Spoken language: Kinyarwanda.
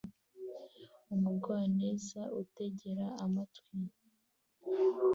Umugwaneza utegera amatwi